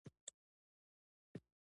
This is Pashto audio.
وروسته هغوی پر شا تللو ته مجبور کړ.